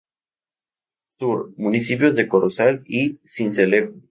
Sur: Municipios de Corozal y Sincelejo.